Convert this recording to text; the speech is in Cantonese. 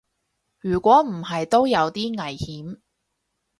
如果唔係都有啲危險